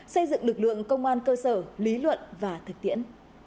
xây dựng lực lượng công an cơ sở lý luận và thực tiễn